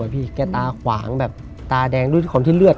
เพราะที่คนที่เลือด